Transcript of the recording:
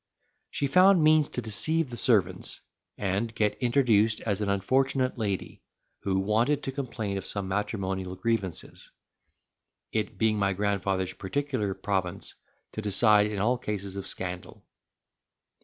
She found means to deceive the servants, and get introduced as an unfortunate lady, who wanted to complain of some matrimonial grievances, it being my grandfather's particular province to decide in all cases of scandal.